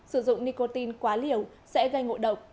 sử dụng nicotine quá liều sẽ gây ngộ độc